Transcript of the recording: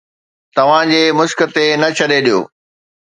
توهان جي مشق تي نه ڇڏي ڏيو